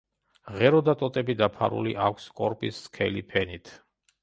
ღერო და ტოტები დაფარული აქვს კორპის სქელი ფენით.